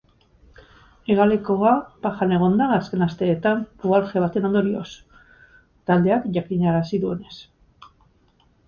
Hegalekoa bajan egon da azken asteetan pubalgia baten ondorioz, taldeak jakinarazi duenez.